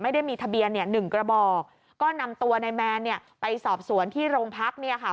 ไม่ได้มีทะเบียนเนี่ยหนึ่งกระบอกก็นำตัวนายแมนเนี่ยไปสอบสวนที่โรงพักเนี่ยค่ะ